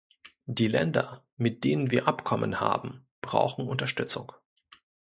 Die Länder, mit denen wir Abkommen haben, brauchen Unterstützung.